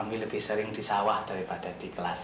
kami lebih sering di sawah daripada di kelas